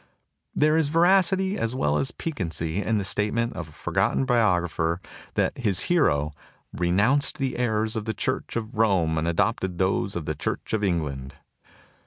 There is veracity as well as piquancy in the statement of a forgotten biographer that his hero "renounced the errors of the Church of Rome and adopted those of the Church of Eng land."